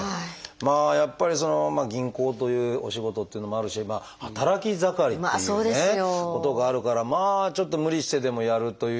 やっぱり銀行というお仕事っていうのもあるし働き盛りっていうことがあるからまあちょっと無理してでもやるというような。